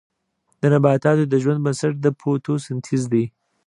د نباتاتو د ژوند بنسټ د فوتوسنتیز دی